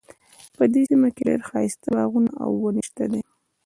په دې سیمه کې ډیر ښایسته باغونه او ونې شته دي